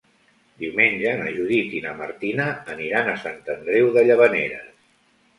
Diumenge na Judit i na Martina aniran a Sant Andreu de Llavaneres.